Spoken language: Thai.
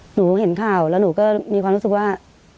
หนูเห็นข่าวแล้วหนูก็มีความรู้สึกว่า